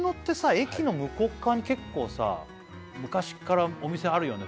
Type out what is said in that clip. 駅の向こうっ側に結構さ昔っからお店あるよね